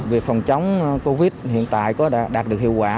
việc phòng chống covid hiện tại có đạt được hiệu quả